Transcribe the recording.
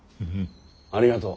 ありがとう。